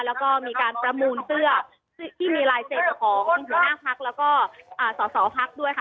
แล้วก็มีการประมูลเสื้อที่มีลายเซ็นต์ของหัวหน้าพักแล้วก็สอสอพักด้วยค่ะ